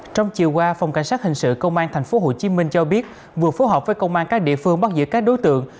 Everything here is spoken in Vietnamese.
trong chiều qua phòng cảnh sát hình sự công an tp hcm cho biết vừa phối hợp với công an các địa phương bắt giữ các đối tượng